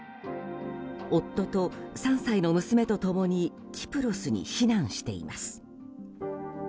夫と３歳の娘と共にキプロスに避難しています。